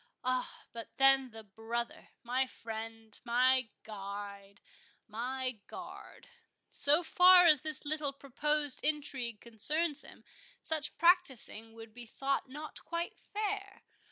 Ah, but then the brother—my friend—my guide—my guard—So far as this little proposed intrigue concerns him, such practising would be thought not quite fair.